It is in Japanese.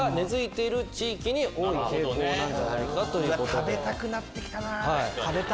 食べたくなって来たな！